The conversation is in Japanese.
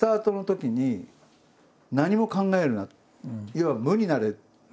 要は「無になれ」。